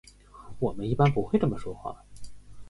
我们一般不会这么说话。